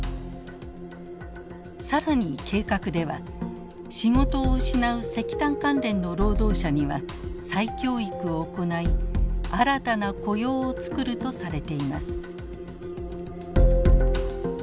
更に計画では仕事を失う石炭関連の労働者には再教育を行い新たな雇用をつくるとされています。